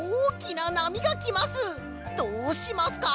どうしますか？